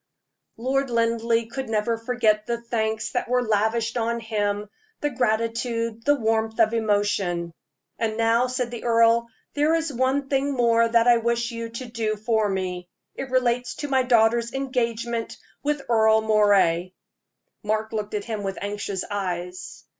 Lord Linleigh could never forget the thanks that were lavished on him the gratitude, the warmth of emotion. "And now," said the earl, "there is one thing more that I wish you to do for me. It relates to my daughter's engagement with Earle Moray." Mark looked at him with anxious eyes.